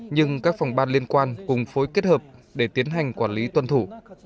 nhưng các phòng ban liên quan cùng phối kết hợp để tiến hành quản lý tuân thủ